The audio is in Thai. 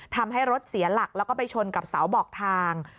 ทำให้รถเสียหลักแล้วก็ไปชนกับเสาบอกทาง